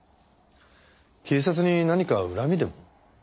警察に何か恨みでも？